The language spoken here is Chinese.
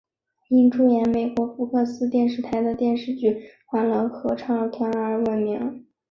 因出演美国福克斯电视台的电视剧欢乐合唱团而闻名。